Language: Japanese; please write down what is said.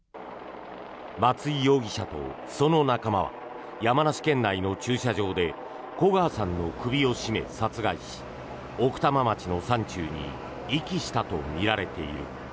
松井容疑者とその仲間は山梨県内の駐車場で古川さんの首を絞め、殺害し奥多摩町の山中に遺棄したとみられている。